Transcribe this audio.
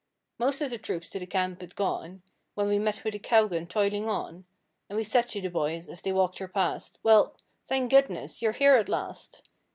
Most of the troops to the camp had gone, When we met with a cow gun toiling on; And we said to the boys, as they walked her past, 'Well, thank goodness, you're here at last!'